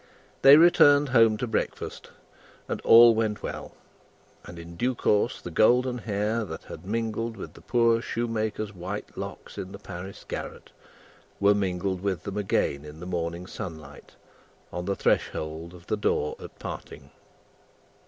They returned home to breakfast, and all went well, and in due course the golden hair that had mingled with the poor shoemaker's white locks in the Paris garret, were mingled with them again in the morning sunlight, on the threshold of the door at parting.